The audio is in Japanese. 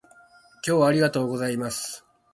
今日はありがとうございます